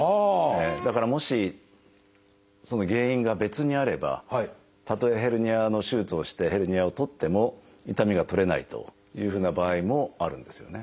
だからもしその原因が別にあればたとえヘルニアの手術をしてヘルニアを取っても痛みが取れないというふうな場合もあるんですよね。